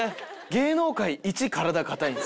芸能界一体硬いんすよ。